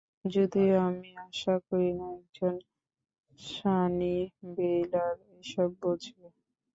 যদিও আমি আশা করিনা একজন সানিভেইলার এসব বুঝবে।